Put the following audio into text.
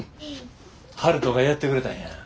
悠人がやってくれたんや。